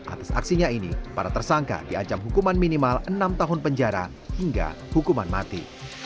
atas aksinya ini para tersangka diancam hukuman minimal enam tahun penjara hingga hukuman mati